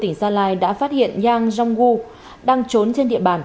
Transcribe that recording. thành phố pleiku tỉnh gia lai đã phát hiện yang rongru đang trốn trên địa bàn